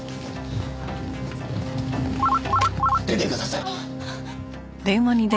出てください。